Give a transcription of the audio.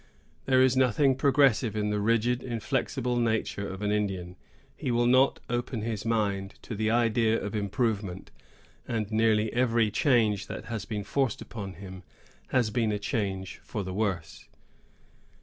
There is nothing progressive in the rigid, inflexible nature of an Indian. He will not open his mind to the idea of improvement; and nearly every change that has been forced upon him has been a change for the worse.